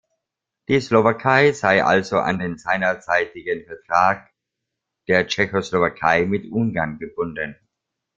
Die Slowakei sei also an den seinerzeitigen Vertrag der Tschechoslowakei mit Ungarn gebunden.